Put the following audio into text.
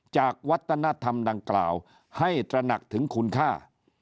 จากวัฒนธรรมดังกล่าวให้ตระหนักถึงคุณค่า